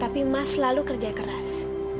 tapi mas selalu kerja keras